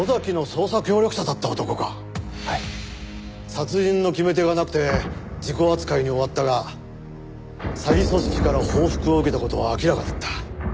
殺人の決め手がなくて事故扱いに終わったが詐欺組織から報復を受けた事は明らかだった。